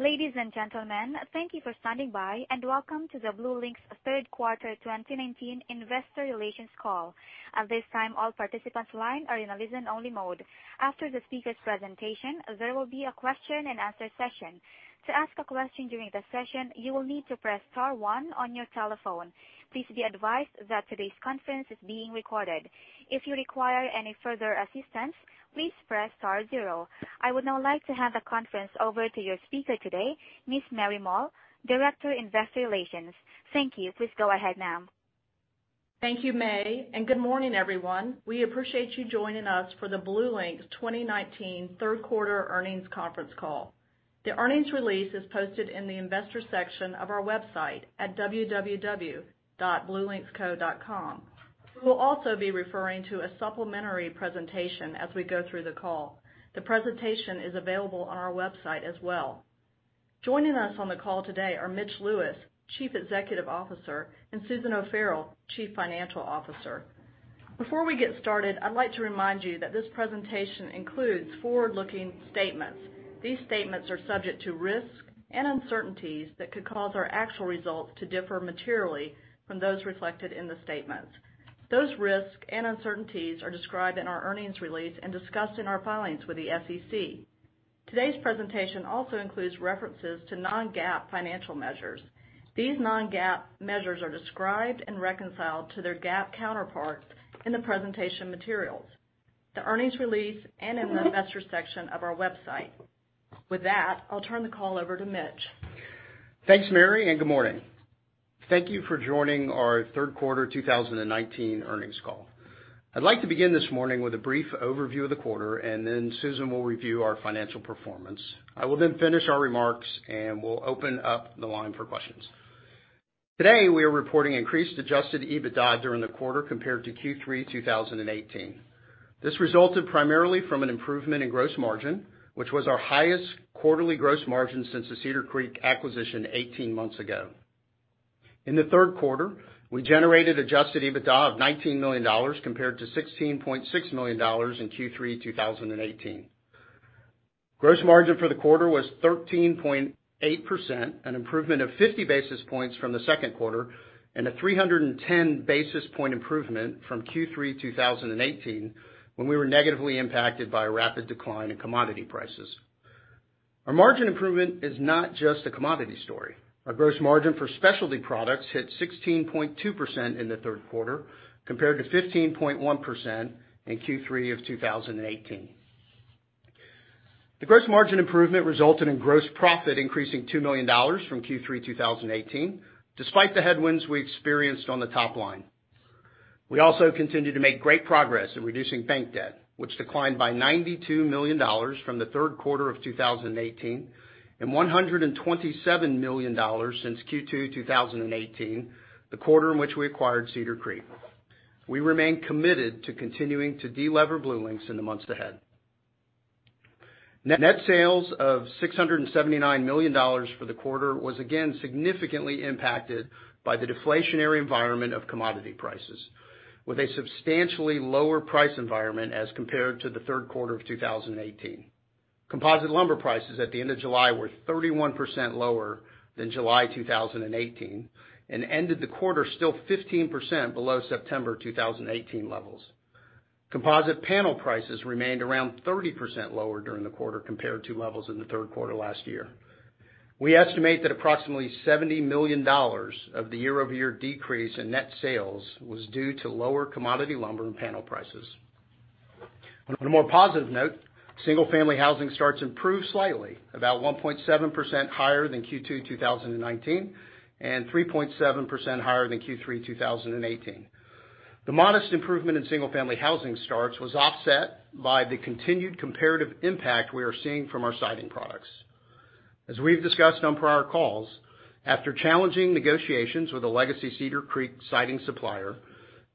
Ladies and gentlemen, thank you for standing by, and welcome to the BlueLinx third quarter 2019 investor relations call. At this time, all participants on the line are in a listen only mode. After the speaker's presentation, there will be a question and answer session. To ask a question during the session, you will need to press star one on your telephone. Please be advised that today's conference is being recorded. If you require any further assistance, please press star zero. I would now like to hand the conference over to your speaker today, Ms. Mary Moll, Director, Investor Relations. Thank you. Please go ahead, ma'am. Thank you, May. Good morning, everyone. We appreciate you joining us for the BlueLinx 2019 third quarter earnings conference call. The earnings release is posted in the investor section of our website at www.bluelinxco.com. We will also be referring to a supplementary presentation as we go through the call. The presentation is available on our website as well. Joining us on the call today are Mitch Lewis, Chief Executive Officer, and Susan O'Farrell, Chief Financial Officer. Before we get started, I'd like to remind you that this presentation includes forward-looking statements. These statements are subject to risks and uncertainties that could cause our actual results to differ materially from those reflected in the statements. Those risks and uncertainties are described in our earnings release and discussed in our filings with the SEC. Today's presentation also includes references to non-GAAP financial measures. These non-GAAP measures are described and reconciled to their GAAP counterpart in the presentation materials, the earnings release, and in our investor section of our website. With that, I'll turn the call over to Mitch. Thanks, Mary. Good morning. Thank you for joining our third quarter 2019 earnings call. I'd like to begin this morning with a brief overview of the quarter. Then Susan will review our financial performance. I will then finish our remarks. We'll open up the line for questions. Today, we are reporting increased adjusted EBITDA during the quarter compared to Q3 2018. This resulted primarily from an improvement in gross margin, which was our highest quarterly gross margin since the Cedar Creek acquisition 18 months ago. In the third quarter, we generated adjusted EBITDA of $19 million compared to $16.6 million in Q3 2018. Gross margin for the quarter was 13.8%, an improvement of 50 basis points from the second quarter and a 310 basis point improvement from Q3 2018, when we were negatively impacted by a rapid decline in commodity prices. Our margin improvement is not just a commodity story. Our gross margin for specialty products hit 16.2% in the third quarter, compared to 15.1% in Q3 of 2018. The gross margin improvement resulted in gross profit increasing $2 million from Q3 2018, despite the headwinds we experienced on the top line. We also continued to make great progress in reducing bank debt, which declined by $92 million from the third quarter of 2018, and $127 million since Q2 2018, the quarter in which we acquired Cedar Creek. We remain committed to continuing to de-lever BlueLinx in the months ahead. Net sales of $679 million for the quarter was again significantly impacted by the deflationary environment of commodity prices, with a substantially lower price environment as compared to the third quarter of 2018. Composite lumber prices at the end of July were 31% lower than July 2018, and ended the quarter still 15% below September 2018 levels. Composite panel prices remained around 30% lower during the quarter compared to levels in the third quarter last year. We estimate that approximately $70 million of the year-over-year decrease in net sales was due to lower commodity lumber and panel prices. On a more positive note, single-family housing starts improved slightly, about 1.7% higher than Q2 2019 and 3.7% higher than Q3 2018. The modest improvement in single-family housing starts was offset by the continued comparative impact we are seeing from our siding products. As we've discussed on prior calls, after challenging negotiations with the legacy Cedar Creek siding supplier,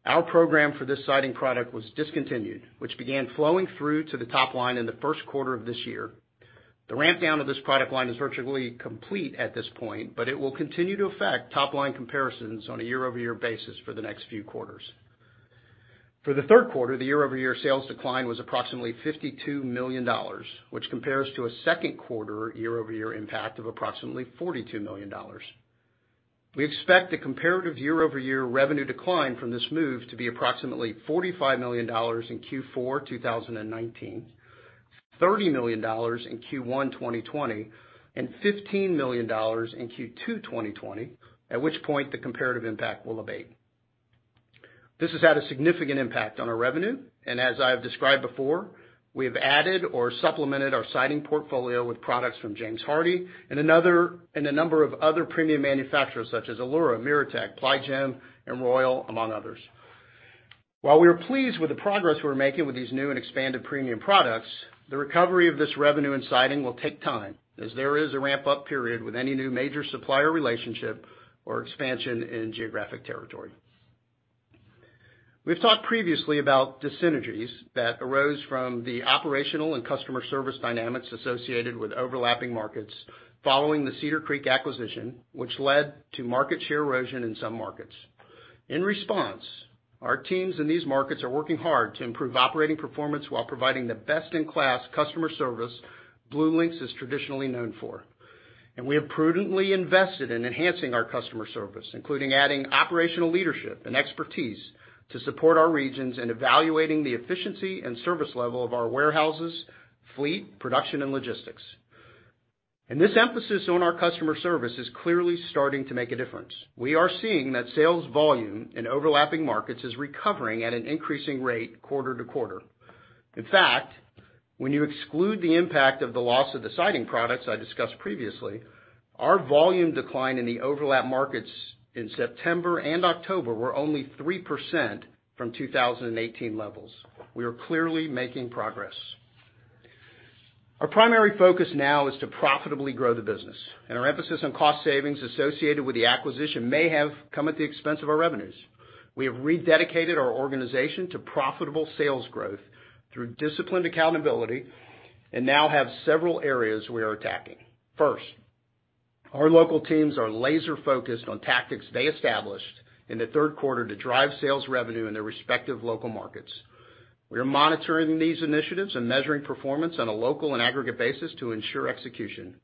our program for this siding product was discontinued, which began flowing through to the top line in the first quarter of this year. The ramp down of this product line is virtually complete at this point, but it will continue to affect top-line comparisons on a year-over-year basis for the next few quarters. For the third quarter, the year-over-year sales decline was approximately $52 million, which compares to a second quarter year-over-year impact of approximately $42 million. We expect the comparative year-over-year revenue decline from this move to be approximately $45 million in Q4 2019, $30 million in Q1 2020, and $15 million in Q2 2020, at which point the comparative impact will abate. This has had a significant impact on our revenue, and as I have described before, we have added or supplemented our siding portfolio with products from James Hardie and a number of other premium manufacturers such as Allura, MiraTEC, Ply Gem, and Royal, among others. While we are pleased with the progress we're making with these new and expanded premium products, the recovery of this revenue in siding will take time, as there is a ramp-up period with any new major supplier relationship or expansion in geographic territory. We've talked previously about dyssynergies that arose from the operational and customer service dynamics associated with overlapping markets following the Cedar Creek acquisition, which led to market share erosion in some markets. In response, our teams in these markets are working hard to improve operating performance while providing the best-in-class customer service BlueLinx is traditionally known for. We have prudently invested in enhancing our customer service, including adding operational leadership and expertise to support our regions in evaluating the efficiency and service level of our warehouses, fleet, production, and logistics. This emphasis on our customer service is clearly starting to make a difference. We are seeing that sales volume in overlapping markets is recovering at an increasing rate quarter to quarter. When you exclude the impact of the loss of the siding products I discussed previously, our volume decline in the overlap markets in September and October were only 3% from 2018 levels. We are clearly making progress. Our emphasis on cost savings associated with the acquisition may have come at the expense of our revenues. We have rededicated our organization to profitable sales growth through disciplined accountability and now have several areas we are attacking. First, our local teams are laser-focused on tactics they established in the third quarter to drive sales revenue in their respective local markets. We are monitoring these initiatives and measuring performance on a local and aggregate basis to ensure execution.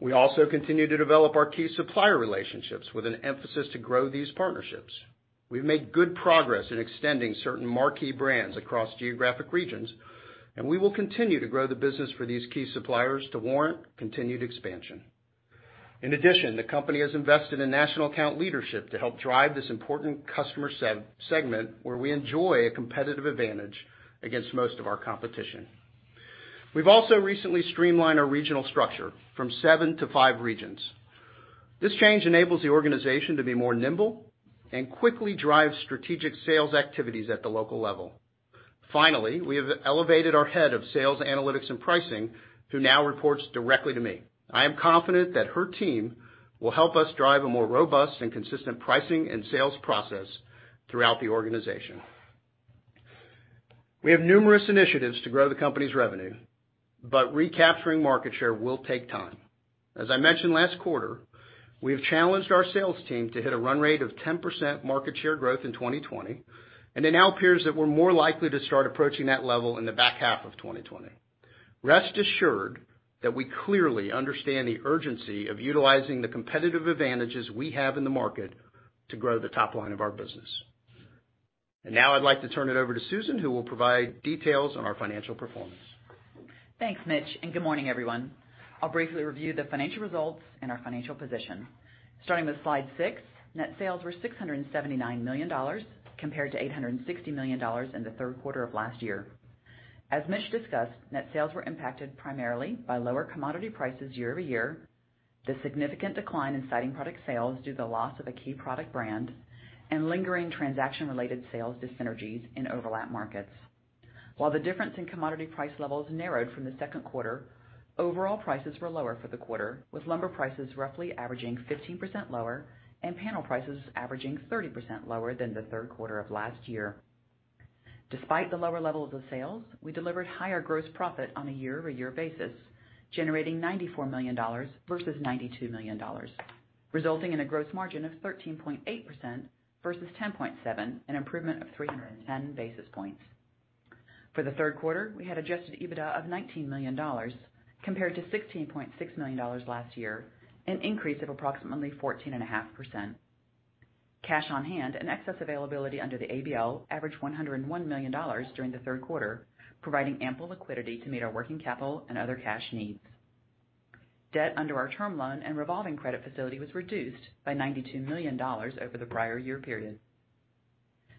We also continue to develop our key supplier relationships with an emphasis to grow these partnerships. We've made good progress in extending certain marquee brands across geographic regions. We will continue to grow the business for these key suppliers to warrant continued expansion. In addition, the company has invested in national account leadership to help drive this important customer segment, where we enjoy a competitive advantage against most of our competition. We've also recently streamlined our regional structure from 7 to 5 regions. This change enables the organization to be more nimble and quickly drive strategic sales activities at the local level. Finally, we have elevated our head of sales, analytics, and pricing to now report directly to me. I am confident that her team will help us drive a more robust and consistent pricing and sales process throughout the organization. We have numerous initiatives to grow the company's revenue, but recapturing market share will take time. As I mentioned last quarter, we have challenged our sales team to hit a run rate of 10% market share growth in 2020, and it now appears that we're more likely to start approaching that level in the back half of 2020. Rest assured that we clearly understand the urgency of utilizing the competitive advantages we have in the market to grow the top line of our business. Now I'd like to turn it over to Susan, who will provide details on our financial performance. Thanks, Mitch. Good morning, everyone. I'll briefly review the financial results and our financial position. Starting with slide six, net sales were $679 million compared to $860 million in the third quarter of last year. As Mitch discussed, net sales were impacted primarily by lower commodity prices year-over-year, the significant decline in siding product sales due to the loss of a key product brand, and lingering transaction-related sales dyssynergies in overlap markets. While the difference in commodity price levels narrowed from the second quarter, overall prices were lower for the quarter, with lumber prices roughly averaging 15% lower and panel prices averaging 30% lower than the third quarter of last year. Despite the lower levels of sales, we delivered higher gross profit on a year-over-year basis, generating $94 million versus $92 million, resulting in a gross margin of 13.8% versus 10.7%, an improvement of 310 basis points. For the third quarter, we had adjusted EBITDA of $19 million compared to $16.6 million last year, an increase of approximately 14.5%. Cash on hand and excess availability under the ABL averaged $101 million during the third quarter, providing ample liquidity to meet our working capital and other cash needs. Debt under our term loan and revolving credit facility was reduced by $92 million over the prior year period.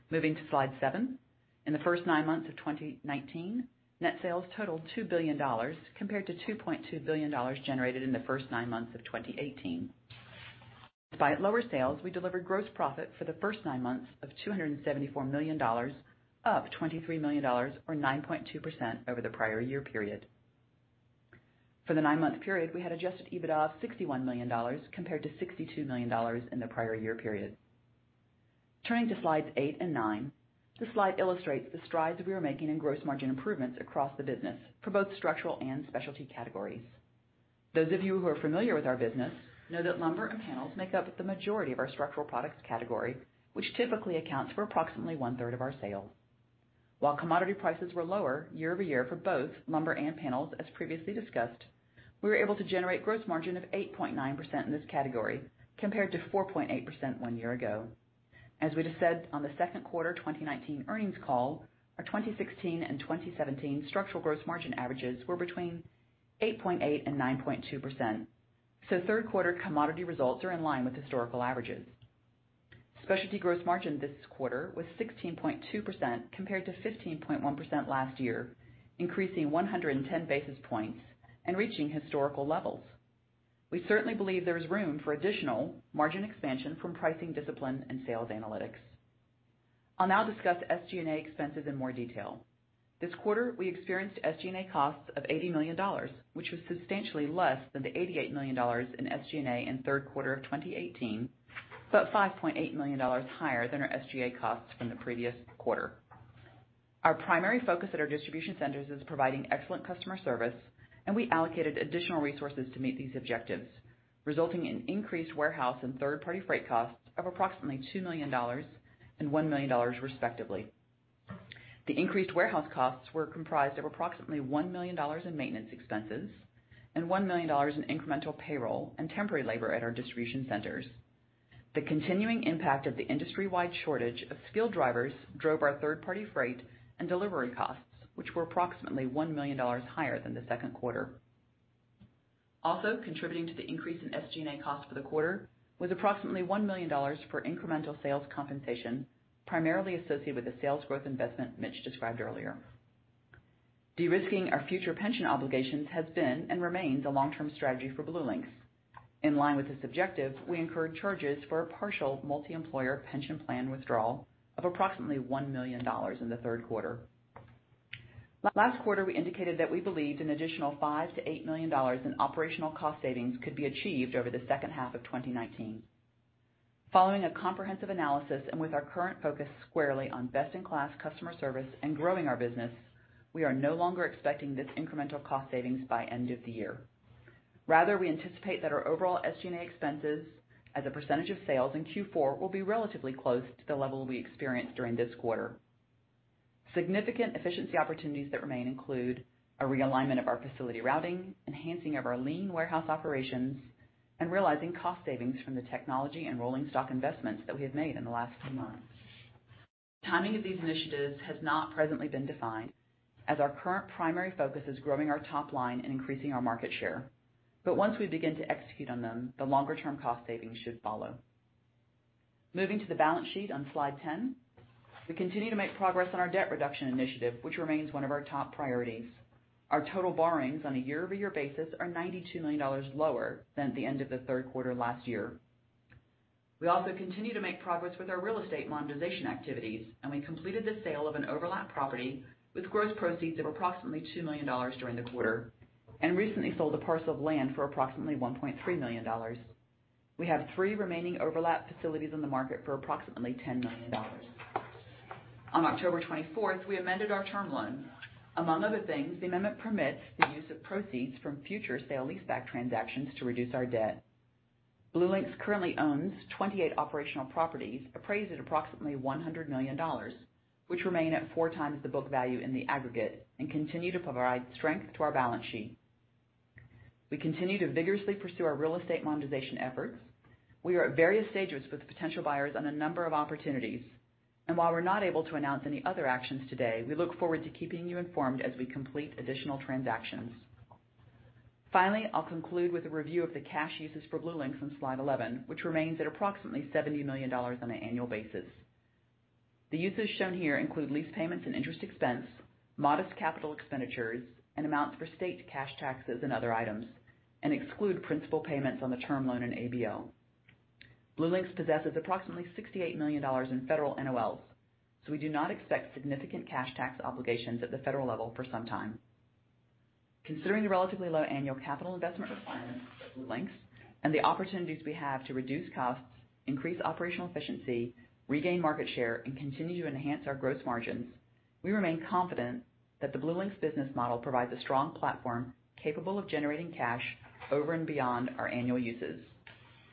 Moving to slide seven. In the first nine months of 2019, net sales totaled $2 billion compared to $2.2 billion generated in the first nine months of 2018. Despite lower sales, we delivered gross profit for the first nine months of $274 million, up $23 million or 9.2% over the prior year period. For the nine-month period, we had adjusted EBITDA of $61 million compared to $62 million in the prior year period. Turning to slides eight and nine. This slide illustrates the strides that we are making in gross margin improvements across the business for both structural and specialty categories. Those of you who are familiar with our business know that lumber and panels make up the majority of our structural products category, which typically accounts for approximately one-third of our sales. While commodity prices were lower year-over-year for both lumber and panels, as previously discussed, we were able to generate gross margin of 8.9% in this category, compared to 4.8% one year ago. As we just said on the second quarter 2019 earnings call, our 2016 and 2017 structural gross margin averages were between 8.8% and 9.2%. Third quarter commodity results are in line with historical averages. Specialty gross margin this quarter was 16.2% compared to 15.1% last year, increasing 110 basis points and reaching historical levels. We certainly believe there is room for additional margin expansion from pricing discipline and sales analytics. I'll now discuss SG&A expenses in more detail. This quarter, we experienced SG&A costs of $80 million, which was substantially less than the $88 million in SG&A in third quarter of 2018, but $5.8 million higher than our SG&A costs from the previous quarter. Our primary focus at our distribution centers is providing excellent customer service, and we allocated additional resources to meet these objectives, resulting in increased warehouse and third-party freight costs of approximately $2 million and $1 million respectively. The increased warehouse costs were comprised of approximately $1 million in maintenance expenses and $1 million in incremental payroll and temporary labor at our distribution centers. The continuing impact of the industry-wide shortage of skilled drivers drove our third-party freight and delivery costs, which were approximately $1 million higher than the second quarter. Also contributing to the increase in SG&A costs for the quarter was approximately $1 million for incremental sales compensation, primarily associated with the sales growth investment Mitch described earlier. De-risking our future pension obligations has been and remains a long-term strategy for BlueLinx. In line with this objective, we incurred charges for a partial multi-employer pension plan withdrawal of approximately $1 million in the third quarter. Last quarter, we indicated that we believed an additional $5 million-$8 million in operational cost savings could be achieved over the second half of 2019. Following a comprehensive analysis and with our current focus squarely on best-in-class customer service and growing our business, we are no longer expecting this incremental cost savings by end of the year. Rather, we anticipate that our overall SG&A expenses as a percentage of sales in Q4 will be relatively close to the level we experienced during this quarter. Significant efficiency opportunities that remain include a realignment of our facility routing, enhancing of our lean warehouse operations, and realizing cost savings from the technology and rolling stock investments that we have made in the last few months. Timing of these initiatives has not presently been defined, as our current primary focus is growing our top line and increasing our market share. Once we begin to execute on them, the longer-term cost savings should follow. Moving to the balance sheet on slide 10. We continue to make progress on our debt reduction initiative, which remains one of our top priorities. Our total borrowings on a year-over-year basis are $92 million lower than at the end of the third quarter last year. We also continue to make progress with our real estate monetization activities, and we completed the sale of an overlap property with gross proceeds of approximately $2 million during the quarter, and recently sold a parcel of land for approximately $1.3 million. We have three remaining overlap facilities on the market for approximately $10 million. On October 24th, we amended our term loan. Among other things, the amendment permits the use of proceeds from future sale-leaseback transactions to reduce our debt. BlueLinx currently owns 28 operational properties appraised at approximately $100 million, which remain at four times the book value in the aggregate and continue to provide strength to our balance sheet. We continue to vigorously pursue our real estate monetization efforts. We are at various stages with potential buyers on a number of opportunities, and while we're not able to announce any other actions today, we look forward to keeping you informed as we complete additional transactions. Finally, I'll conclude with a review of the cash uses for BlueLinx on slide 11, which remains at approximately $70 million on an annual basis. The uses shown here include lease payments and interest expense, modest capital expenditures, and amounts for state cash taxes and other items, and exclude principal payments on the term loan and ABL. BlueLinx possesses approximately $68 million in federal NOLs, so we do not expect significant cash tax obligations at the federal level for some time. Considering the relatively low annual capital investment requirements of BlueLinx and the opportunities we have to reduce costs, increase operational efficiency, regain market share, and continue to enhance our gross margins, we remain confident that the BlueLinx business model provides a strong platform capable of generating cash over and beyond our annual uses.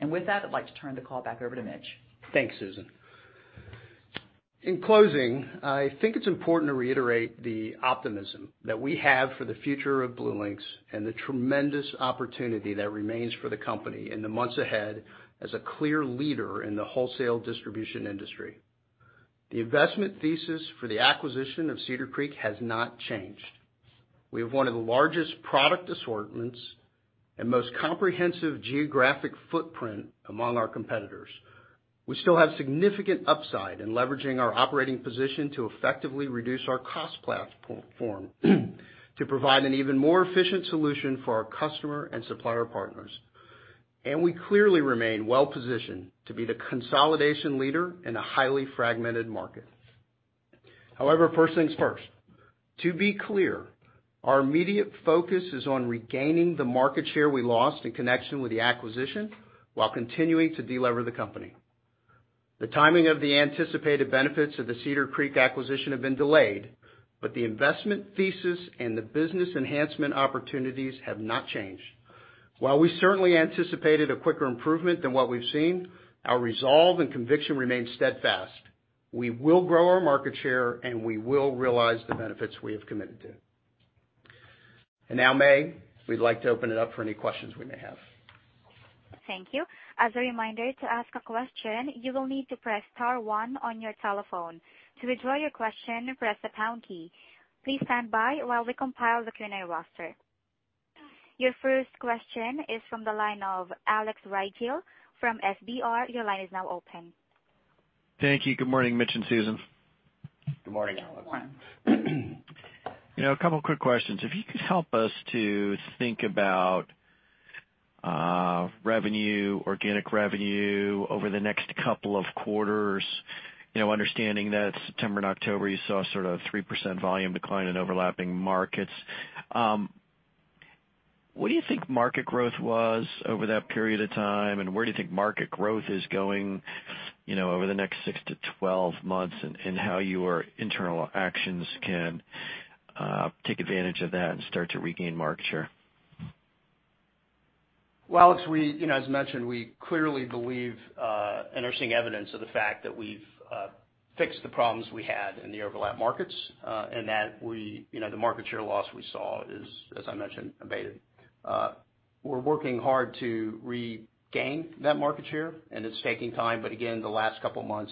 With that, I'd like to turn the call back over to Mitch. Thanks, Susan. In closing, I think it's important to reiterate the optimism that we have for the future of BlueLinx and the tremendous opportunity that remains for the company in the months ahead as a clear leader in the wholesale distribution industry. The investment thesis for the acquisition of Cedar Creek has not changed. We have one of the largest product assortments and most comprehensive geographic footprint among our competitors. We still have significant upside in leveraging our operating position to effectively reduce our cost platform to provide an even more efficient solution for our customer and supplier partners. We clearly remain well-positioned to be the consolidation leader in a highly fragmented market. However, first things first. To be clear, our immediate focus is on regaining the market share we lost in connection with the acquisition while continuing to de-lever the company. The timing of the anticipated benefits of the Cedar Creek acquisition have been delayed, but the investment thesis and the business enhancement opportunities have not changed. While we certainly anticipated a quicker improvement than what we've seen, our resolve and conviction remain steadfast. We will grow our market share, and we will realize the benefits we have committed to. Now, May, we'd like to open it up for any questions we may have. Thank you. As a reminder, to ask a question, you will need to press star one on your telephone. To withdraw your question, press the pound key. Please stand by while we compile the Q&A roster. Your first question is from the line of Alex Rygiel from B. Riley Securities. Your line is now open. Thank you. Good morning, Mitch and Susan. Good morning, Alex. A couple of quick questions. If you could help us to think about revenue, organic revenue over the next couple of quarters, understanding that September and October, you saw sort of 3% volume decline in overlapping markets. What do you think market growth was over that period of time, and where do you think market growth is going over the next six to 12 months, and how your internal actions can take advantage of that and start to regain market share? Well, Alex, as mentioned, we clearly believe and are seeing evidence of the fact that we've fixed the problems we had in the overlap markets, and that the market share loss we saw is, as I mentioned, abated. We're working hard to regain that market share and it's taking time, but again, the last couple months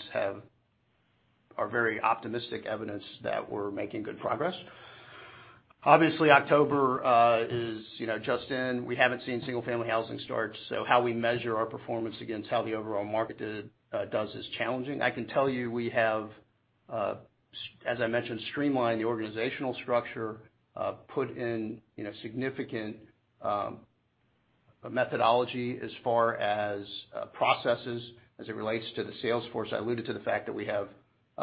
are very optimistic evidence that we're making good progress. Obviously, October is just in. We haven't seen single-family housing starts, so how we measure our performance against how the overall market does is challenging. I can tell you, we have, as I mentioned, streamlined the organizational structure, put in significant methodology as far as processes as it relates to the sales force. I alluded to the fact that we have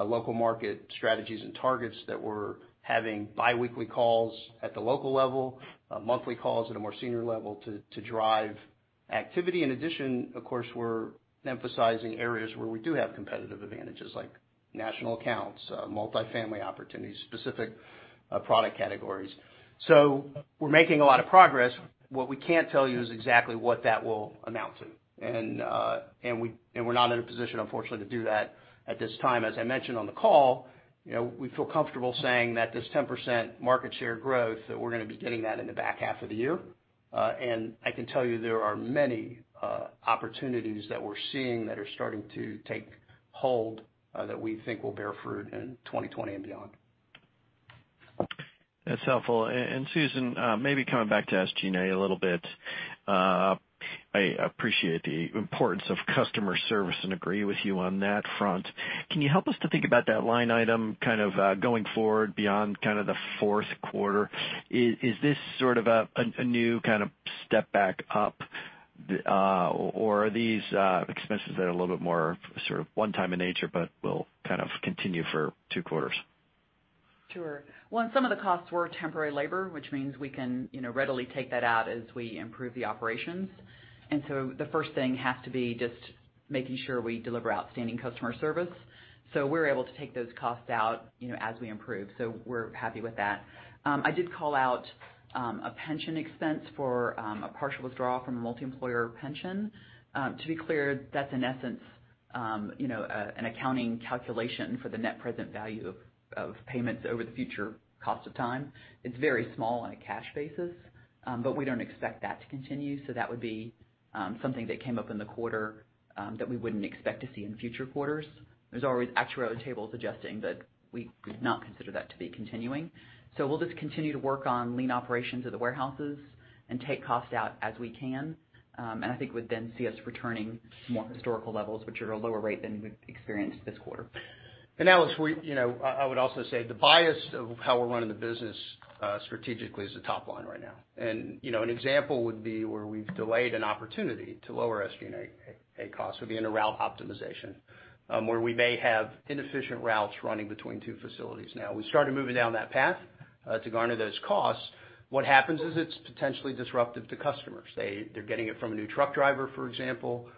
local market strategies and targets that we're having biweekly calls at the local level, monthly calls at a more senior level to drive activity. In addition, of course, we're emphasizing areas where we do have competitive advantages like national accounts, multi-family opportunities, specific product categories. We're making a lot of progress. What we can't tell you is exactly what that will amount to. We're not in a position, unfortunately, to do that at this time. As I mentioned on the call, we feel comfortable saying that this 10% market share growth, that we're going to be getting that in the back half of the year. I can tell you there are many opportunities that we're seeing that are starting to take hold, that we think will bear fruit in 2020 and beyond. That's helpful. Susan, maybe coming back to SG&A a little bit. I appreciate the importance of customer service and agree with you on that front. Can you help us to think about that line item kind of going forward beyond the fourth quarter? Is this sort of a new kind of step back up? Are these expenses that are a little bit more sort of one-time in nature, but will kind of continue for two quarters? Sure. Some of the costs were temporary labor, which means we can readily take that out as we improve the operations. The first thing has to be just making sure we deliver outstanding customer service. We're able to take those costs out as we improve. We're happy with that. I did call out a pension expense for a partial withdrawal from a multi-employer pension. To be clear, that's in essence an accounting calculation for the net present value of payments over the future cost of time. It's very small on a cash basis. We don't expect that to continue, that would be something that came up in the quarter that we wouldn't expect to see in future quarters. There's always actuary tables adjusting, we would not consider that to be continuing. We'll just continue to work on lean operations at the warehouses and take cost out as we can. I think you would then see us returning to more historical levels, which are at a lower rate than we've experienced this quarter. Alex, I would also say the bias of how we're running the business strategically is the top line right now. An example would be where we've delayed an opportunity to lower SG&A costs would be in a route optimization, where we may have inefficient routes running between two facilities now. We started moving down that path to garner those costs. What happens is it's potentially disruptive to customers. They're getting it from a new truck driver, for example.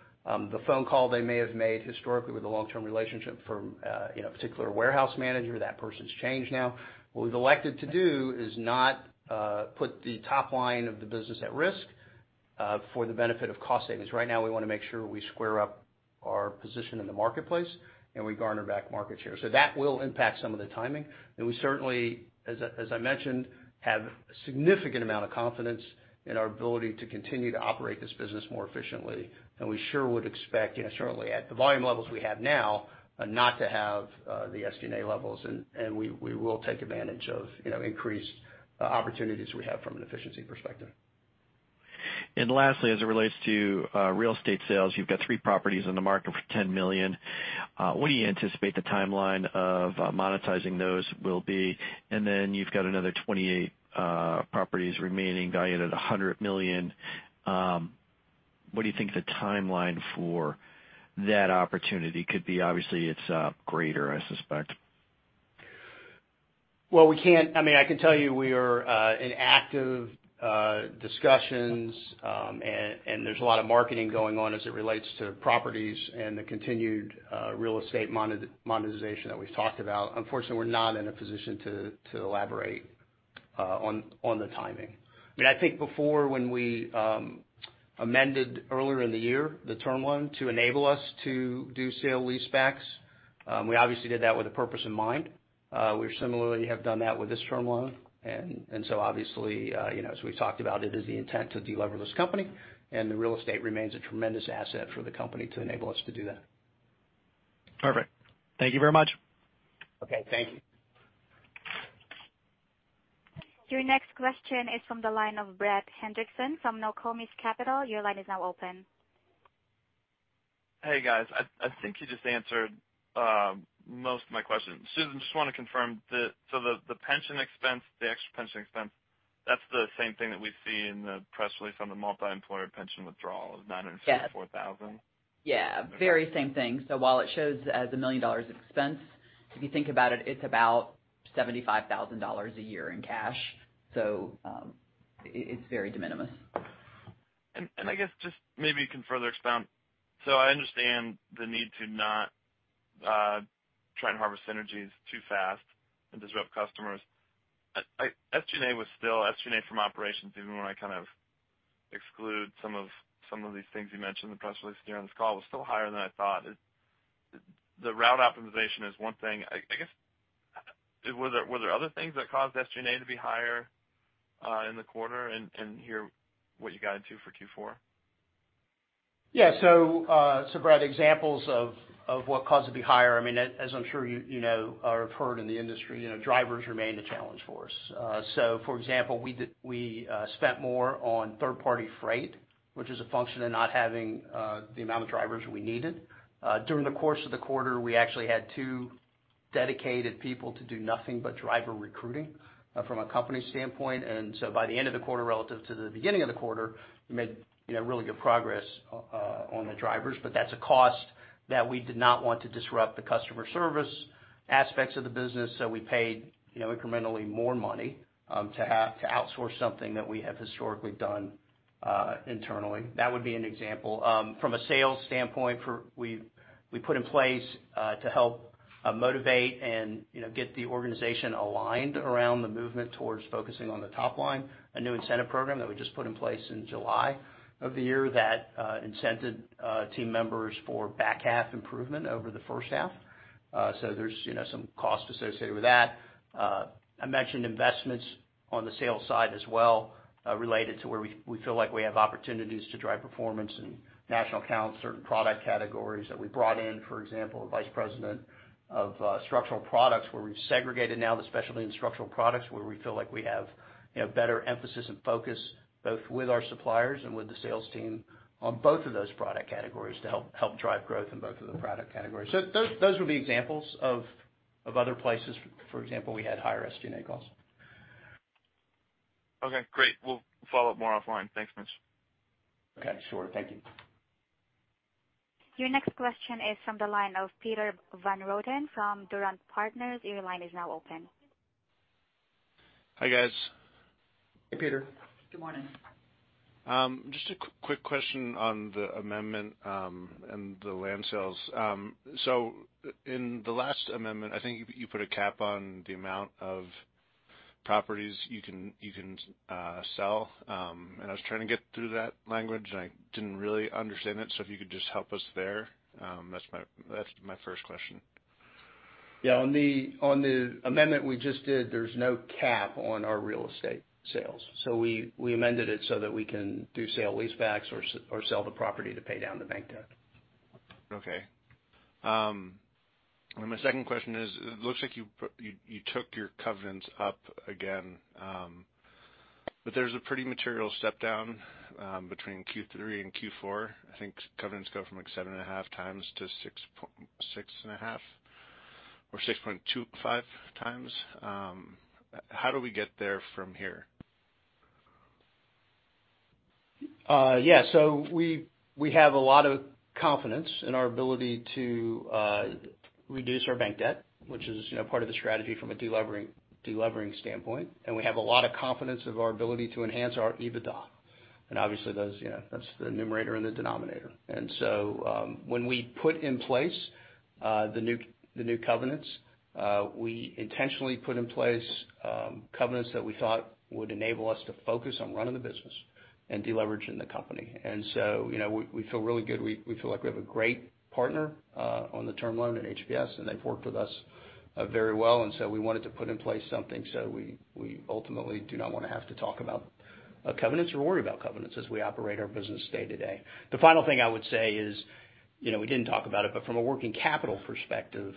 The phone call they may have made historically with a long-term relationship from a particular warehouse manager, that person's changed now. What we've elected to do is not put the top line of the business at risk for the benefit of cost savings. Right now, we want to make sure we square up our position in the marketplace and we garner back market share. That will impact some of the timing, and we certainly, as I mentioned, have a significant amount of confidence in our ability to continue to operate this business more efficiently. We sure would expect, certainly at the volume levels we have now, not to have the SG&A levels, and we will take advantage of increased opportunities we have from an efficiency perspective. Lastly, as it relates to real estate sales, you've got three properties on the market for $10 million. What do you anticipate the timeline of monetizing those will be? Then you've got another 28 properties remaining, valued at $100 million. What do you think the timeline for that opportunity could be? Obviously, it's greater, I suspect. I can tell you we are in active discussions, and there's a lot of marketing going on as it relates to properties and the continued real estate monetization that we've talked about. Unfortunately, we're not in a position to elaborate on the timing. I think before when we amended earlier in the year the term loan to enable us to do sale-leasebacks, we obviously did that with a purpose in mind. We similarly have done that with this term loan, and so obviously, as we've talked about, it is the intent to de-lever this company, and the real estate remains a tremendous asset for the company to enable us to do that. Perfect. Thank you very much. Okay, thank you. Your next question is from the line of Brett Hendrickson from Nokomis Capital. Your line is now open. Hey, guys. I think you just answered most of my questions. Susan, just want to confirm, the pension expense, the extra pension expense, that's the same thing that we see in the press release on the multi-employer pension withdrawal of $954,000? Yes. Very same thing. While it shows as a $1 million expense, if you think about it's about $75,000 a year in cash. It's very de minimis. I guess just maybe you can further expound? I understand the need to not try and harvest synergies too fast and disrupt customers. SG&A from operations, even when I kind of exclude some of these things you mentioned in the press release here on this call, was still higher than I thought. The route optimization is one thing. I guess, were there other things that caused SG&A to be higher in the quarter and hear what you guide to for Q4? Yeah. Brett, examples of what caused it to be higher, as I'm sure you know or have heard in the industry, drivers remain a challenge for us. For example, we spent more on third-party freight, which is a function of not having the amount of drivers we needed. During the course of the quarter, we actually had two dedicated people to do nothing but driver recruiting from a company standpoint. By the end of the quarter relative to the beginning of the quarter, we made really good progress on the drivers. That's a cost that we did not want to disrupt the customer service aspects of the business, so we paid incrementally more money to outsource something that we have historically done internally. That would be an example. From a sales standpoint, we put in place to help motivate and get the organization aligned around the movement towards focusing on the top line, a new incentive program that we just put in place in July of the year that incented team members for back half improvement over the first half. There's some cost associated with that. I mentioned investments on the sales side as well, related to where we feel like we have opportunities to drive performance in national accounts, certain product categories that we brought in, for example, a vice president of structural products, where we've segregated now the specialty and structural products, where we feel like we have better emphasis and focus both with our suppliers and with the sales team on both of those product categories to help drive growth in both of the product categories. Those would be examples of other places, for example, we had higher SG&A costs. Okay, great. We'll follow up more offline. Thanks, Mitch. Okay, sure. Thank you. Your next question is from the line of Peter van Roden from Durant Partners. Your line is now open. Hi, guys. Hey, Peter. Good morning. Just a quick question on the amendment and the land sales. In the last amendment, I think you put a cap on the amount of properties you can sell. I was trying to get through that language, and I didn't really understand it. If you could just help us there. That's my first question. Yeah. On the amendment we just did, there's no cap on our real estate sales. We amended it so that we can do sale-leasebacks or sell the property to pay down the bank debt. Okay. My second question is, it looks like you took your covenants up again. There's a pretty material step down between Q3 and Q4. I think covenants go from like 7.5 times to 6.5 or 6.25 times. How do we get there from here? We have a lot of confidence in our ability to reduce our bank debt, which is part of the strategy from a delevering standpoint. We have a lot of confidence of our ability to enhance our EBITDA. Obviously, that's the numerator and the denominator. When we put in place the new covenants, we intentionally put in place covenants that we thought would enable us to focus on running the business and deleveraging the company. We feel really good. We feel like we have a great partner on the term loan at HPS, and they've worked with us very well. We wanted to put in place something, so we ultimately do not want to have to talk about covenants or worry about covenants as we operate our business day to day. The final thing I would say is, we didn't talk about it, from a working capital perspective,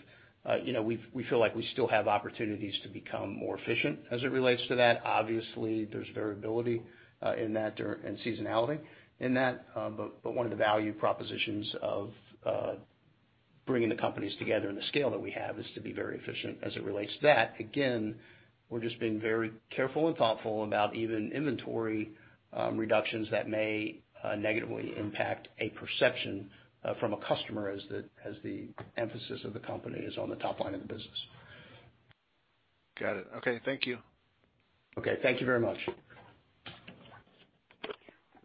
we feel like we still have opportunities to become more efficient as it relates to that. Obviously, there's variability in that and seasonality in that. One of the value propositions of bringing the companies together and the scale that we have is to be very efficient as it relates to that. Again, we're just being very careful and thoughtful about even inventory reductions that may negatively impact a perception from a customer as the emphasis of the company is on the top line of the business. Got it. Okay, thank you. Okay, thank you very much.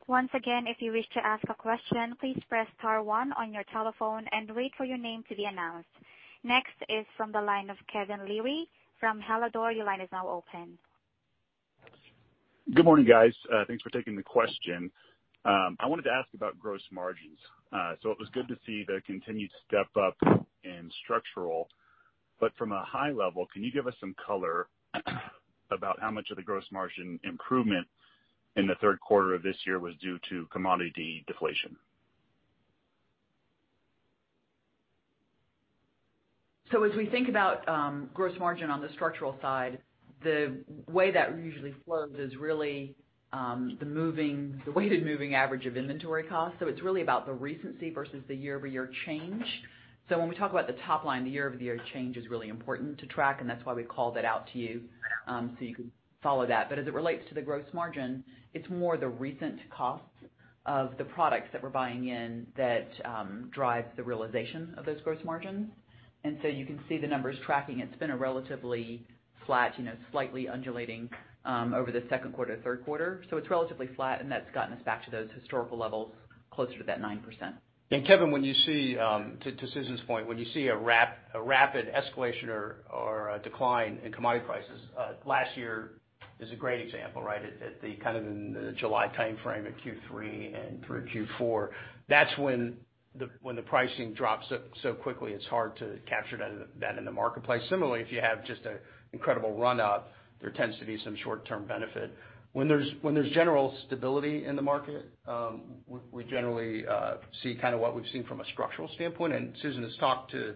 Once again, if you wish to ask a question, please press star one on your telephone and wait for your name to be announced. Next is from the line of Kevin Leary from Craig-Hallum. Your line is now open. Good morning, guys. Thanks for taking the question. I wanted to ask about gross margins. It was good to see the continued step-up in structural. From a high level, can you give us some color about how much of the gross margin improvement in the third quarter of this year was due to commodity deflation? As we think about gross margin on the structural side, the way that usually flows is really the weighted moving average of inventory cost. It's really about the recency versus the year-over-year change. When we talk about the top line, the year-over-year change is really important to track, and that's why we called it out to you, so you could follow that. As it relates to the gross margin, it's more the recent costs of the products that we're buying in that drive the realization of those gross margins. You can see the numbers tracking. It's been a relatively flat, slightly undulating over the second quarter, third quarter. It's relatively flat, and that's gotten us back to those historical levels closer to that 9%. Kevin, to Susan's point, when you see a rapid escalation or a decline in commodity prices, last year is a great example, right? Kind of in the July timeframe in Q3 and through Q4. That's when the pricing drops so quickly, it's hard to capture that in the marketplace. Similarly, if you have just an incredible run-up, there tends to be some short-term benefit. When there's general stability in the market, we generally see kind of what we've seen from a structural standpoint. Susan has talked to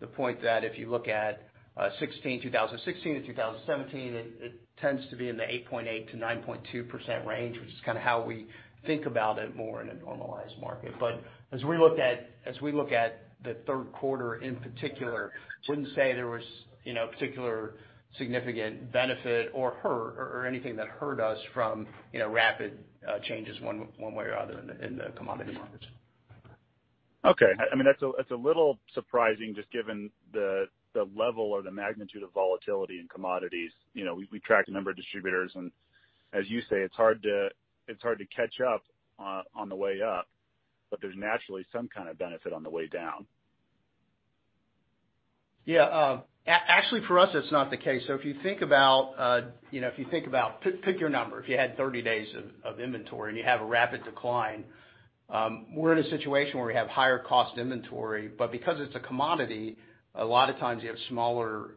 the point that if you look at 2016 to 2017, it tends to be in the 8.8%-9.2% range, which is kind of how we think about it more in a normalized market. As we look at the third quarter in particular, wouldn't say there was particular significant benefit or hurt or anything that hurt us from rapid changes one way or other in the commodity markets. Okay. That's a little surprising just given the level or the magnitude of volatility in commodities. We track a number of distributors and as you say, it's hard to catch up on the way up, but there's naturally some kind of benefit on the way down. Actually, for us, it's not the case. If you think about, pick your number. If you had 30 days of inventory and you have a rapid decline, we're in a situation where we have higher cost inventory, but because it's a commodity, a lot of times you have smaller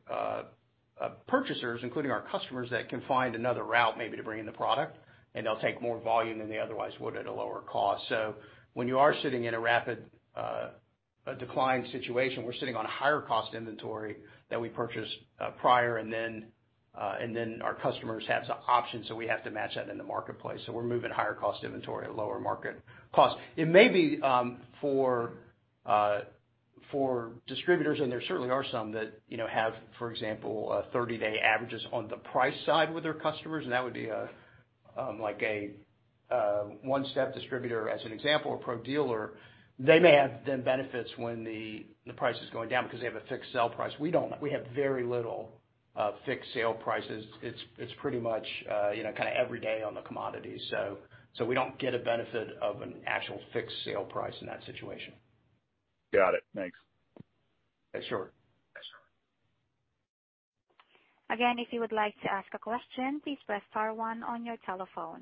purchasers, including our customers, that can find another route maybe to bring in the product, and they'll take more volume than they otherwise would at a lower cost. When you are sitting in a rapid decline situation, we're sitting on a higher cost inventory that we purchased prior and then our customers have some options, so we have to match that in the marketplace. We're moving higher cost inventory at lower market cost. It may be for distributors, and there certainly are some that have, for example, 30-day averages on the price side with their customers, and that would be like a one-step distributor, as an example, a pro dealer. They may have benefits when the price is going down because they have a fixed sale price. We don't. We have very little fixed sale prices. It's pretty much kind of every day on the commodities. We don't get a benefit of an actual fixed sale price in that situation. Got it. Thanks. Sure. Again, if you would like to ask a question, please press star one on your telephone.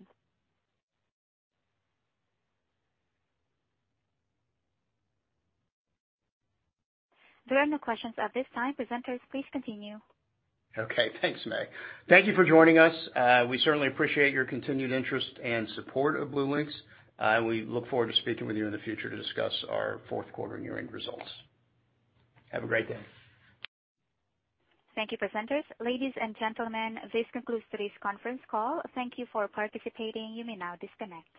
There are no questions at this time. Presenters, please continue. Okay. Thanks, May. Thank you for joining us. We certainly appreciate your continued interest and support of BlueLinx. We look forward to speaking with you in the future to discuss our fourth quarter and year-end results. Have a great day. Thank you, presenters. Ladies and gentlemen, this concludes today's conference call. Thank you for participating. You may now disconnect.